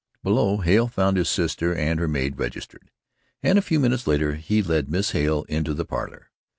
Below, Hale found his sister and her maid registered, and a few minutes later he led Miss Hale into the parlour.